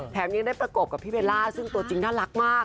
ยังได้ประกบกับพี่เบลล่าซึ่งตัวจริงน่ารักมาก